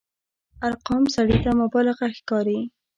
ارقام سړي ته مبالغه ښکاري.